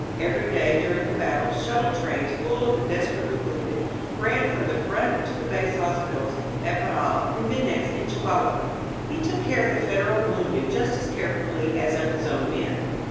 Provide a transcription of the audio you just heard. Every day during the battle shut tle trains full of the desperately wounded ran from the front to the base hospitals at Parral, Jimenez and Chihuahua. He took care of the Federal wounded just as carefully as of his own men.